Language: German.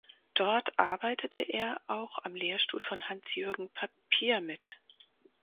Dort arbeitete er auch am Lehrstuhl von Hans-Jürgen Papier mit.